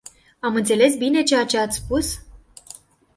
Am înțeles bine ceea ce ați spus?